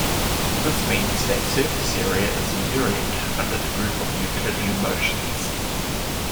This means that surface area is invariant under the group of Euclidean motions.